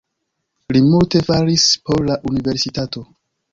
Li multe faris por la universitato.